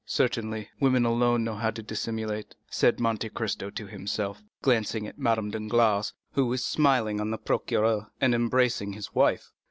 "Certainly, women alone know how to dissimulate," said Monte Cristo to himself, glancing at Madame Danglars, who was smiling on the procureur, and embracing his wife.